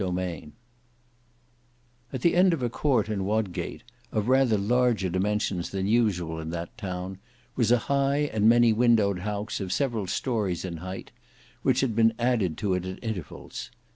Book 3 Chapter 7 At the end of a court in Wodgate, of rather larger dimensions than usual in that town, was a high and many windowed house, of several stories in height, which had been added to it at intervals.